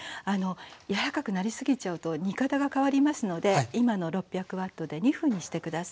柔らかくなりすぎちゃうと煮方が変わりますので今の６００Ｗで２分にして下さい。